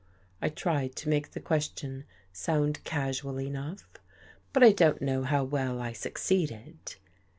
" I tried to make the question sound casual enough, but I don't know how well I succeeded.